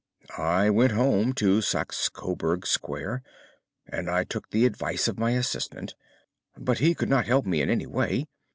"I went home to Saxe Coburg Square, and I took the advice of my assistant. But he could not help me in any way.